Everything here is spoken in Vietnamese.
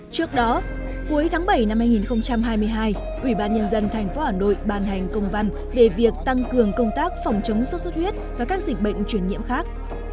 trước đó cuối tháng bảy năm hai nghìn hai mươi hai ủy ban nhân dân thành phố hà nội ban hành công văn về việc tăng cường công tác phòng chống suốt huyết và các dịch bệnh chuyển nhiễm khác